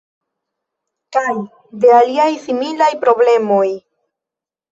Kaj de aliaj similaj problemoj.